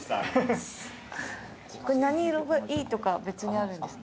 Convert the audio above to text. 何色がいいとかあるんですか？